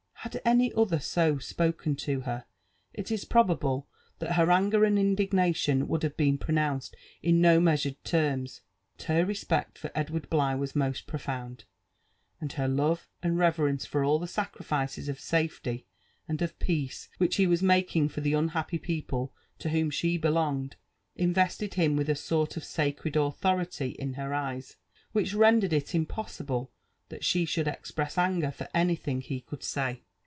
Had any other so spoken to her, it is probable that her anger and indignation would have been pronounced in no measured terms ; but her respect for Edward Bligh was most profound, and her love and reverence for all the sacrifices of safety and of peace which he was making for the unhappy people to whom she belonged, invested him with a sort of sacred authority in her eyes, which rendered it impos sible that she should express anger for anything he could say.